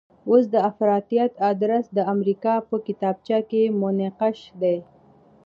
اوس د افراطیت ادرس د امریکا په کتابچه کې منقش دی.